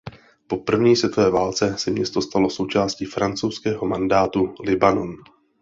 Po první světové válce se město stalo součásti francouzského mandátu Libanon.